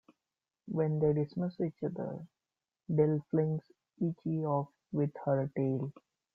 When they dismiss each other, Dil flings Ichy off with her tail.